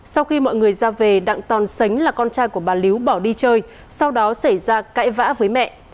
sau khi mọi người ra về đặng tòn sánh là con trai của bà líu bỏ đi chơi sau đó xảy ra cãi vã với mẹ